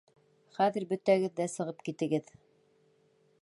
Хәҙер бөтәгеҙ ҙә сығып китегеҙ!